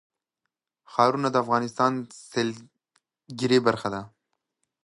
ښارونه د افغانستان د سیلګرۍ برخه ده.